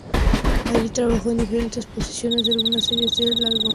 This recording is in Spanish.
Allí trabajó en diferentes posiciones en algunas series y largometrajes.